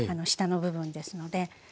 下の部分ですので。